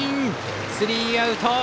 スリーアウト。